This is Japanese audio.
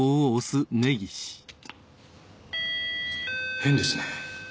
変ですね。